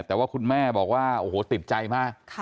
แต่ว่าคุณแม่บอกว่าโอ้โหติดใจมาก